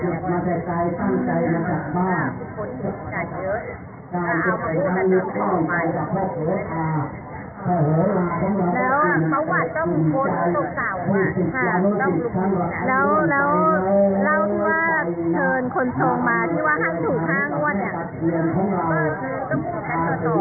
แล้วอ่ะเพราะว่าต้องกดส่วนสาวอ่ะห้ามต้องลุกแล้วแล้วเล่าที่ว่าเชิญคนส่งมาที่ว่าห้ามถูกห้ามงวดเนี้ยก็คือก็พูดแค่ต่อต่อมาที่ก็พ่อเขามาทำ